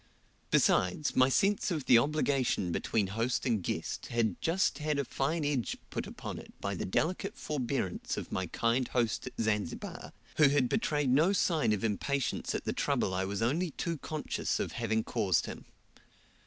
Besides, my sense of the obligation between host and guest had just had a fine edge put upon it by the delicate forbearance of my kind host at Zanzibar, who had betrayed no sign of impatience at the trouble I was only too conscious of having caused him.